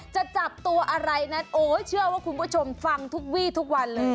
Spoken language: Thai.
จะจับตัวอะไรนั้นโอ้ยเชื่อว่าคุณผู้ชมฟังทุกวี่ทุกวันเลย